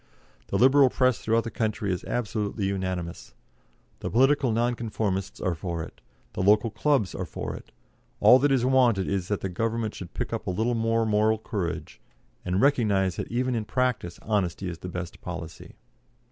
The Liberal Press throughout the country is absolutely unanimous. The political Non conformists are for it. The local clubs are for it. All that is wanted is that the Government should pick up a little more moral courage, and recognise that even in practice honesty is the best policy."